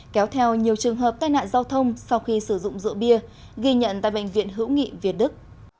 kéo theo nhiều trường hợp tai nạn giao thông sau khi sử dụng rượu bia ghi nhận tại bệnh viện hữu nghị việt đức